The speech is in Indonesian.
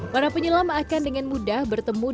para penyelam akan dengan mudah bertemu dengan